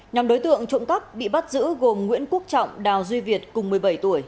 nhóm đối tượng trộm cắp bị bắt giữ gồm nguyễn quốc trọng đào duy việt cùng một mươi bảy tuổi